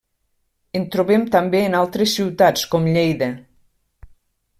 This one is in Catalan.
En trobem també en altres ciutats, com Lleida.